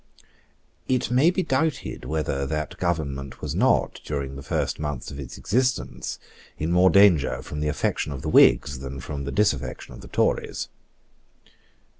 It may be doubted whether that government was not, during the first months of its existence, in more danger from the affection of the Whigs than from the disaffection of the Tories.